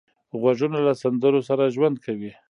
غوږونه له سندرو سره ژوند کوي